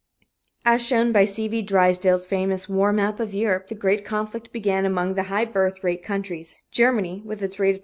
As shown by C.V. Drysdale's famous "War Map of Europe," the great conflict began among the high birth rate countries Germany, with its rate of 31.